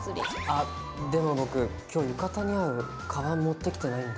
あっでも僕今日浴衣に合うカバン持ってきてないんだ。